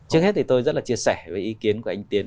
trước hết thì tôi rất là chia sẻ với ý kiến của anh tiến